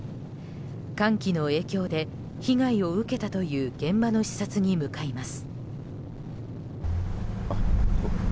寒気の影響で被害を受けたという現場の視察に向かいます。